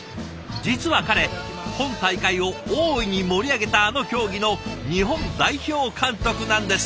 実は彼今大会を大いに盛り上げたあの競技の日本代表監督なんです。